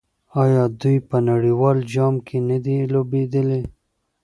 آیا دوی په نړیوال جام کې نه دي لوبېدلي؟